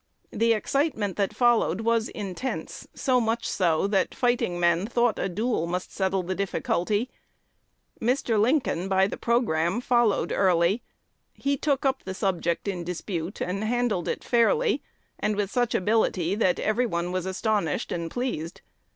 The excitement that followed was intense, so much so, that fighting men thought that a duel must settle the difficulty. Mr. Lincoln, by the programme, followed Early. He took up the subject in dispute, and handled it fairly, and with such ability that every one was astonished and pleased.